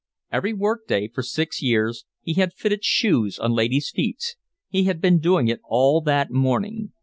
Every work day for six years he had fitted shoes on ladies' feet; he had been doing it all that morning.